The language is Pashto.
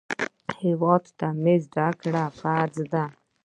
هېواد ته زده کړه ضروري ده